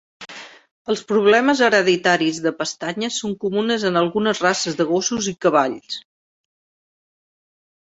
Els problemes hereditaris de pestanyes són comunes en algunes races de gossos i cavalls.